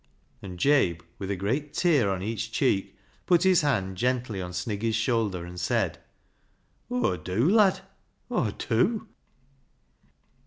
" And Jabe, with a great tear on each cheek, put his hand gently on Sniggy's shoulder, and said —" Aw dew, lad ! Aw dew !